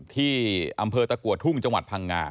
ที่อำเภอตะกัวทุ่งจังหวัดพังงา